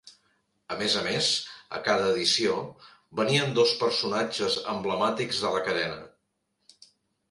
A més a més, a cada edició, venien dos personatges emblemàtics de la cadena.